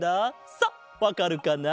さっわかるかな？